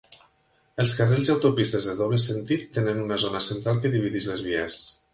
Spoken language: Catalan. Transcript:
Els carrils i autopistes de doble sentit tenen una zona central que divideix les vies.